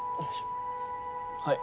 はい。